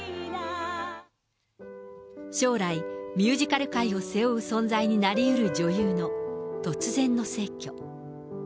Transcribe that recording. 将来、ミュージカル界を背負う存在になりうる女優の突然の逝去。